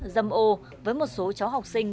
dâm ô với một số cháu học sinh